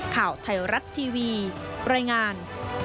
ข่าวไทยรัฐทีวีรายงาน